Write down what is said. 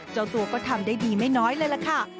เจ้าตัวก็ทำได้ดีไม่น้อยเลยล่ะค่ะ